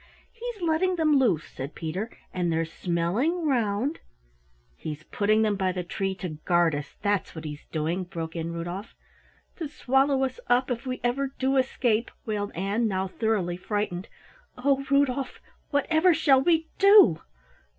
"He's letting them loose," said Peter, "and they're smelling round " "He's putting them by the tree to guard us that's what he's doing," broke in Rudolf. "To swallow us up if we ever do escape!" wailed Ann, now thoroughly frightened. "Oh, Rudolf, whatever shall we do?"